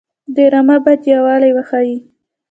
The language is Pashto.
ډرامه باید یووالی وښيي